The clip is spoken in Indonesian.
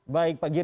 baik pak giri